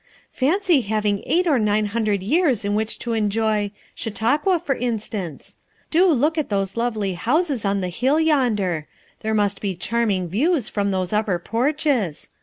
" Fancy having eight or nine hundred years in which to enjoy — Chautauqua, for instance. Do look at those lovely houses on the hill yon der; there must be charming views from those upper porches.